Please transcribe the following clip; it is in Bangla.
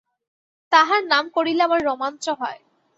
তাহার নাম করিলে আমার রোমাঞ্চ হয়।